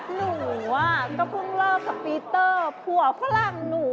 หนูก็เพิ่งเลิกกับปีเตอร์ผัวฝรั่งหนู